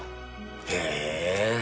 へえ。